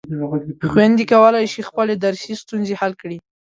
خویندې کولای شي خپلې درسي ستونزې حل کړي.